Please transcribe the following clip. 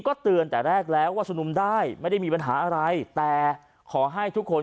ก็เตือนแต่แรกแล้วว่าชุมนุมได้ไม่ได้มีปัญหาอะไรแต่ขอให้ทุกคน